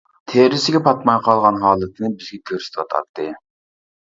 تېرىسىگە پاتماي قالغان ھالىتىنى بىزگە كۆرسىتىۋاتاتتى.